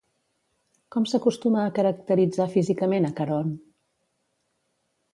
Com s'acostuma a caracteritzar físicament a Caront?